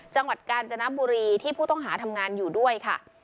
จังหวัดกาญจนบุรีที่ผู้ต้องหาทำงานอยู่ด้วยค่ะ